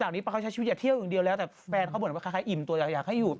นี้พอเขาใช้ชีวิตอย่าเที่ยวอย่างเดียวแล้วแต่แฟนเขาเหมือนว่าคล้ายอิ่มตัวอยากให้อยู่